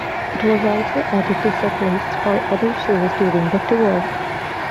It was also added to setlists for other shows during the tour.